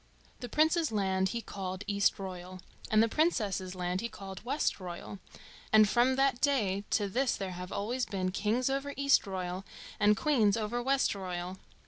The Prince's land he called Eastroyal, and the Princess's land he called Westroyal, and from that day to this there have always been kings over Eastroyal and queens over Westroyal.